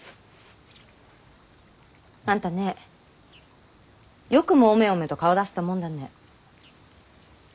あんたねよくもおめおめと顔出せたもんだね。